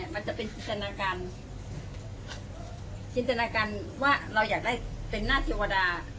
มันจะเป็นจินตนาการจินตนาการว่าเราอยากได้เป็นหน้าเทวดา